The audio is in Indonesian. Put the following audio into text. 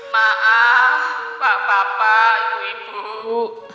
maah pak papa ibu ibu